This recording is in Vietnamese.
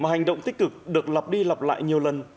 hành động tích cực được lặp đi lặp lại nhiều lần